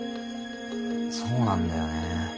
そうなんだよね。